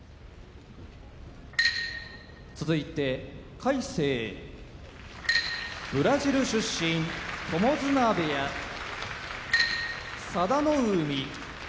魁聖ブラジル出身友綱部屋佐田の海